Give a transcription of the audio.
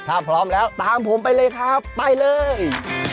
ถ้าพร้อมแล้วตามผมไปเลยครับไปเลย